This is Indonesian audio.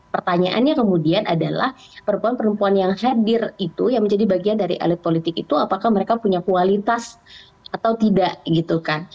pertanyaannya kemudian adalah perempuan perempuan yang hadir itu yang menjadi bagian dari elit politik itu apakah mereka punya kualitas atau tidak gitu kan